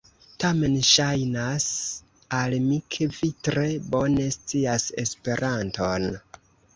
Tamen ŝajnas al mi, ke vi tre bone scias Esperanton.